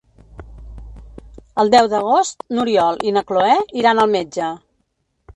El deu d'agost n'Oriol i na Cloè iran al metge.